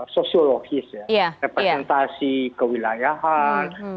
sosiologis ya representasi kewilayahan